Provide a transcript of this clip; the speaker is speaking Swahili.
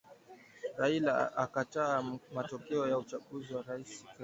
Raila akataa matokeo ya uchaguzi wa rais Kenya